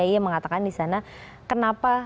ia mengatakan di sana kenapa